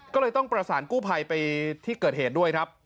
ก็เลยต้องประสานกู้ภัยไปที่เกิดเหตุด้วยครับ